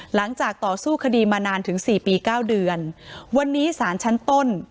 ต่อสู้คดีมานานถึงสี่ปีเก้าเดือนวันนี้สารชั้นต้น